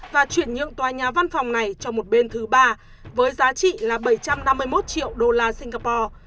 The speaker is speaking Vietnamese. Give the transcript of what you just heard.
và chuyển nhượng tòa nhà văn phòng này cho một bên thứ ba với giá trị là bảy trăm năm mươi một triệu đô la singapore